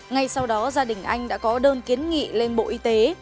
ngay sau đó gia đình anh đã có đơn kiến nghị lên bộ y tế